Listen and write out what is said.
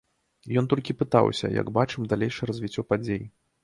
Ён толькі пытаўся, як бачым далейшае развіццё падзей.